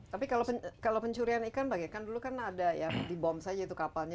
tapi kalau pencurian ikan dulu kan ada yang dibom saja itu kapalnya